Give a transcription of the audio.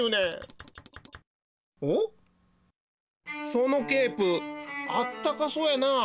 そのケープあったかそうやな。